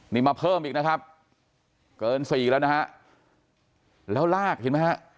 นี่มาเพิ่มอีกนะครับเกินสี่แล้วนะฮะแล้วลากเห็นไหมฮะ